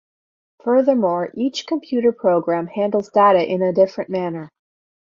Furthermore, each computer program handles data in a different manner.